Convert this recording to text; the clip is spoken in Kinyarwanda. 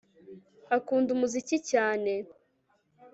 Akunda umuziki cyane